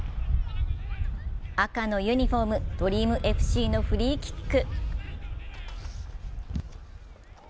赤のユニフォーム、ＤＲＥＡＭＦＣのフリーキック。